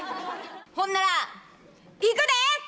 ほんならいくで！